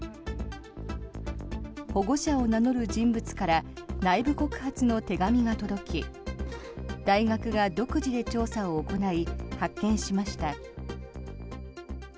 保護者を名乗る人物から内部告発の手紙が届き大学が独自で調査を行い発見しました。